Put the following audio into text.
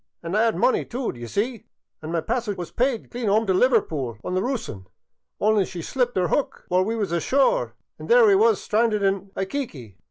* An' I 'ad money too, d' ye see, an' my passage was pyde clean 'ome t' Liverpool on the Roossian, only she slipped 'er ' ook while we was ashore an' there we was stranded in /iyquique.